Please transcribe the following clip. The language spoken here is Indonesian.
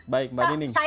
baik mbak dining